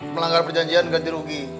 melanggar perjanjian ganti rugi